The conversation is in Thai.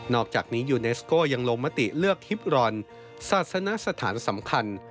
อกจากนี้ยูเนสโก้ยังลงมติเลือกฮิปรอนศาสนสถานสำคัญ